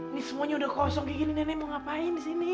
ini semuanya udah kosong kayak gini nenek mau ngapain di sini